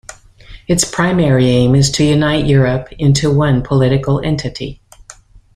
Its primary aim is to unite Europe into one political entity.